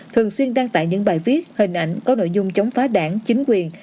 thường xuyên đăng tải những bài viết hình ảnh có nội dung chống phá đảng chính quyền